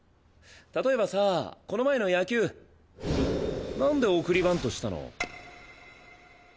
例えばさこの前の野球なんで送りバントしたの？